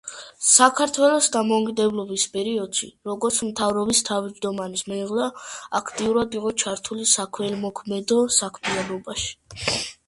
საქართველოს დამოუკიდებლობის პერიოდში, როგორც მთავრობის თავმჯდომარის მეუღლე, აქტიურად იყო ჩართული საქველმოქმედო საქმიანობაში.